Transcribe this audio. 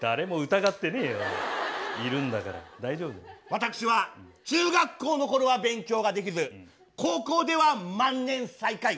私は中学校の頃は勉強ができず高校では万年最下位。